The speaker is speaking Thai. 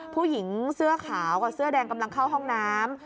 ผู้หญิงเสื้อขาวกับเสื้อแดงกำลังเข้าห้องน้ำ